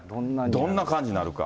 どんな感じになるか。